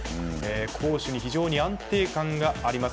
攻守に非常に安定感があります